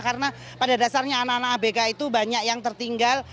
karena pada dasarnya anak anak abk itu banyak yang tertinggal